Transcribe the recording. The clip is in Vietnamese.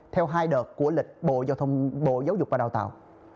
theo hai đợt của lịch bộ giáo dục và đào tạo